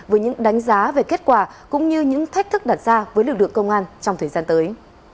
với những đánh giá về kết quả cũng như những thách thức đặt ra với lực lượng công an trong thời gian tới